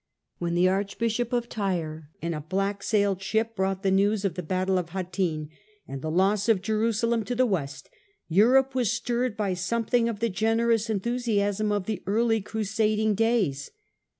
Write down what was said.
When the Archbishop of Tyre, in a black sailed ship, brought the news of the Battle of Hattin and the loss of Jerusalem to the West, Europe was stirred by something of the generous enthusiasm of the early crusading days.